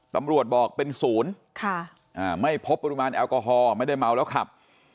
ตำรวจบอกเป็นศูนย์ไม่พบปริมาณแอลกอฮอล์ไม่ได้เมาแล้วขับ